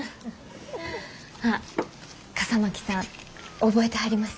あっ笠巻さん覚えてはります？